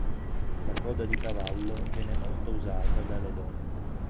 La coda di cavallo viene molto usata dalle donne.